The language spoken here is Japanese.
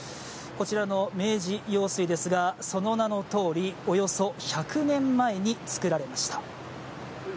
こちらの明治用水ですが、その名のとおり、およそ１００年前に作られました。